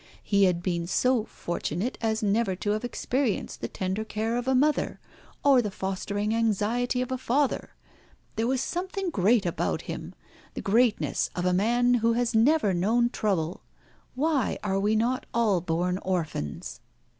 He had been so fortunate as never to have experienced the tender care of a mother, or the fostering anxiety of a father. There was something great about him, the greatness of a man who has never known trouble. Why are we not all born orphans?"